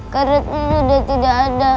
kak rati udah tidak ada